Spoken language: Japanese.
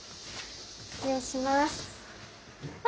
失礼します。